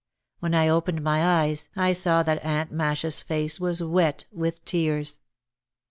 When I opened my eyes I saw that Aunt Masha's face was wet with tears.